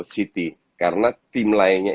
city karena tim lainnya